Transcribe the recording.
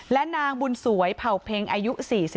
และนางบุญสวยเผ่าเพ็งอายุ๔๒